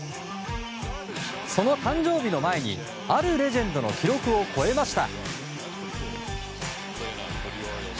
その誕生日の前にあるレジェンドの記録を超えました。